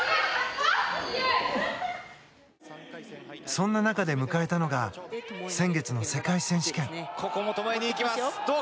そんな中で迎えたのが先月の世界選手権。